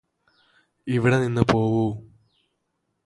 ഇവിടെനിന്ന് പോവു